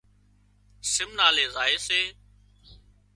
سمنالي زائي سي